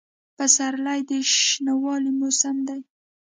پسرلی د شنوالي موسم دی.